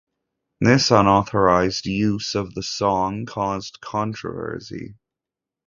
This unauthorized use of the song caused controversy.